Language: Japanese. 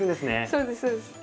そうですそうです。